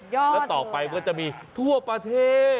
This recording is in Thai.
แล้วต่อไปก็จะมีทั่วประเทศ